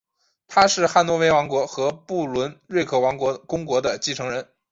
他是汉诺威王国和不伦瑞克公国的继承人。